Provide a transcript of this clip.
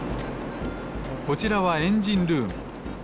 こちらはエンジンルーム。